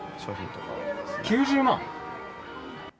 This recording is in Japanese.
９０万？